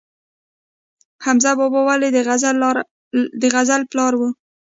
حمزه بابا ولې د غزل پلار و؟